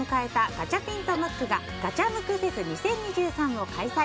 ガチャピンとムックがガチャムクフェス２０２３を開催。